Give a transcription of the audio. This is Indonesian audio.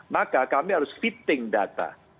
maka kami harus fitting data